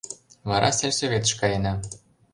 Вара сельсоветыш каена.